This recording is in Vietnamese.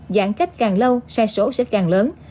giãn cách càng lâu sai số sẽ càng lớn